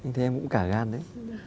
anh thấy em cũng cả gan đấy